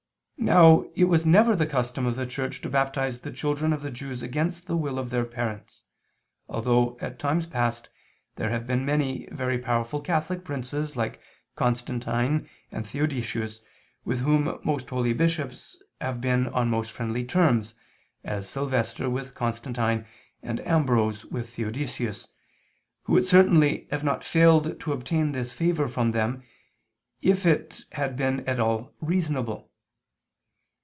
Now it was never the custom of the Church to baptize the children of the Jews against the will of their parents, although at times past there have been many very powerful catholic princes like Constantine and Theodosius, with whom most holy bishops have been on most friendly terms, as Sylvester with Constantine, and Ambrose with Theodosius, who would certainly not have failed to obtain this favor from them if it had been at all reasonable.